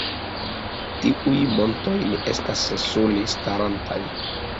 Tiuj montoj ne estas sole starantaj.